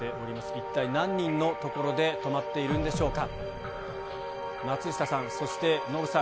一体、何人の所で止まっているんでしょうか。